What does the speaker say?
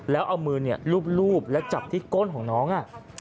แล้วเอามือลูบแล้วจับที่ก้นของน้อง